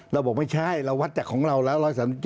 เราบอกไม่ใช่เราวัดจากของเราแล้ว๑๓๗